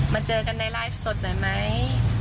เจอกันในไลฟ์สดหน่อยไหม